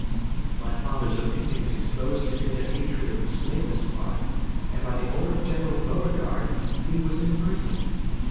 My father's opinions exposed him to the hatred of the slavist part, and by the order of General Beauregard he was imprisoned.